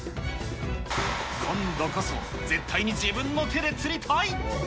今度こそ、絶対に自分の手で釣りたい。